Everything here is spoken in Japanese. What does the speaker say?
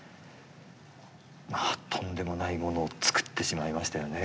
まあとんでもないものを作ってしまいましたよね